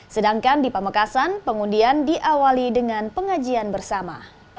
sedangkan di pamekasan pengundian diawali dengan pengajian bersama